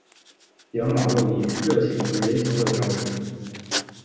杨马路以热情和人情味着名。